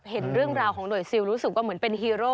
เห็นเรื่องราวของหน่วยซิลรู้สึกว่าเหมือนเป็นฮีโร่